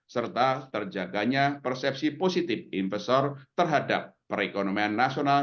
serta terjaganya persepsi positif investor terhadap perekonomian nasional